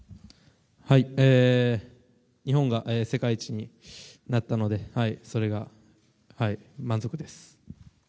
日本が世界一になったのでそれが満足です。